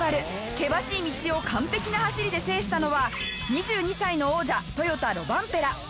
険しい道を完璧な走りで制したのは２２歳の王者トヨタロバンペラ。